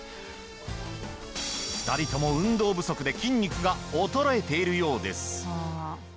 ２人とも運動不足で筋肉が衰えているようです。